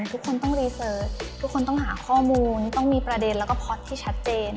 ทุกคนต้องรีเซิร์ฟทุกคนต้องหาข้อมูลต้องมีประเด็นแล้วก็พอตที่ชัดเจน